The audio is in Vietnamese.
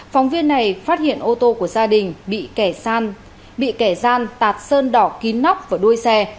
phóng viên này phát hiện ô tô của gia đình bị kẻ gian tạt sơn đỏ kín nóc vào đuôi xe